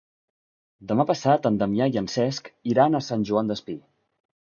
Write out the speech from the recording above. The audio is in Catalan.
Demà passat en Damià i en Cesc iran a Sant Joan Despí.